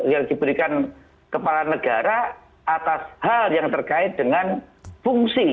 yang diberikan kepala negara atas hal yang terkait dengan fungsi